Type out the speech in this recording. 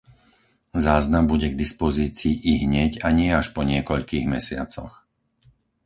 Záznam bude k dispozícii ihneď a nie až po niekoľkých mesiacoch.